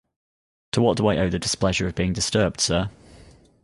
To what do I owe the displeasure of being disturbed, sir?